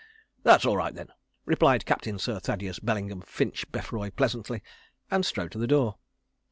"That's all right, then," replied Captain Sir Thaddeus Bellingham ffinch Beffroye pleasantly, and strode to the door.